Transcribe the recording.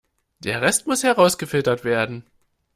Der Rest muss herausgefiltert werden.